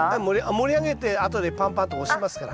盛り上げてあとでぱんぱんと押しますから。